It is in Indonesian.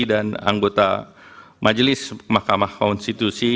dan anggota majelis mahkamah konstitusi